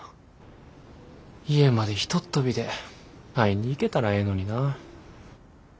家までひとっ飛びで会いに行けたらええのにな。